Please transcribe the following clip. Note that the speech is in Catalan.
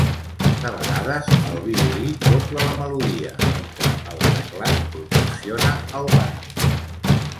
De vegades, el violí dobla la melodia mentre el teclat proporciona el baix.